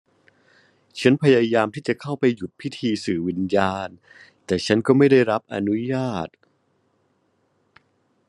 ฉันพยายามที่จะเข้าไปหยุดพิธีสื่อวิญญาณ แต่ฉันก็ไม่ได้รับอนุญาต